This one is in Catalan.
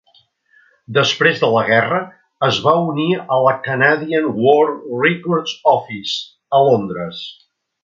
Després de la guerra es va unir a la Canadian War records Office a Londres.